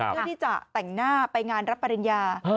เพื่อที่จะแต่งหน้าไปงานรับปริญญา